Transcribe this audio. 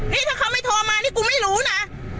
นี่ถ้าเขาไม่โทรมานี่กูไม่รู้นะ